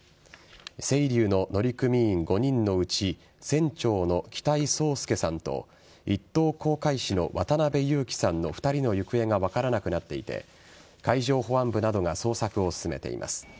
「せいりゅう」の乗組員５人のうち船長の北井宗祐さんと１等航海士の渡辺侑樹さんの２人の行方が分からなくなっていて海上保安部などが捜索を進めています。